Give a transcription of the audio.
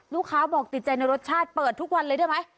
ลูกค้าบอกติดใจในรสชาติเปิดทุกวันเลยได้ไหม